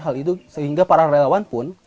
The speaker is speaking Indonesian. hal itu sehingga para relawan pun